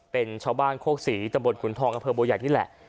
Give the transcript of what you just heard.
เป็นชาวบ้านโคกศรีตะบดขุนทองกระเภอโบยันทร์นี่แหละ